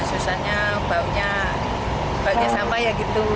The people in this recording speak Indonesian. susahnya baunya baunya sampah ya gitu